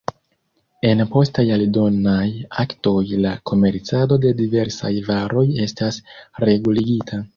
En postaj aldonaj aktoj la komercado de diversaj varoj estas reguligita.